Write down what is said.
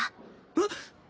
えっ！